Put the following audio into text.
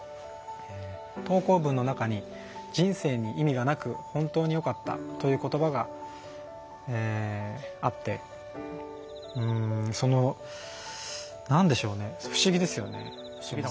投稿文の中に人生に意味がなく本当によかったという言葉があってなんでしょうね、不思議ですね。